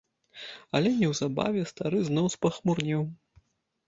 Але неўзабаве стары зноў спахмурнеў.